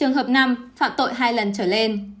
trường hợp năm phạm tội hai lần trở lên